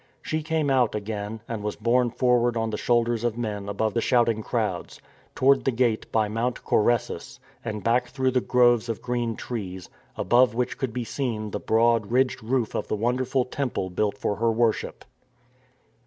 She came out again and was borne forward on the shoulders of men above the shouting crowds, toward the gate by Mount Coressus and back through the groves of green trees, above which could be seen the broad, ridged roof of the wonderful temple built for her worship.